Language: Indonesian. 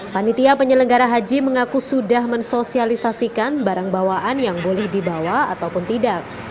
panitia penyelenggara haji mengaku sudah mensosialisasikan barang bawaan yang boleh dibawa ataupun tidak